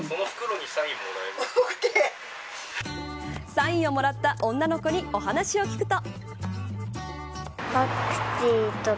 サインをもらった女の子にお話を聞くと。